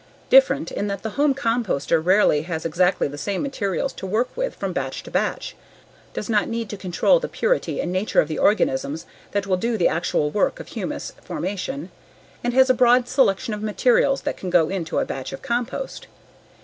Different in that the home composter rarely has exactly the same materials to work with from batch to batch, does not need to control the purity and nature of the organisms that will do the actual work of humus formation, and has a broad selection of materials that can go into a batch of compost.